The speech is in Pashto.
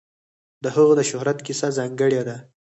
د هغه د شهرت کیسه ځانګړې ده.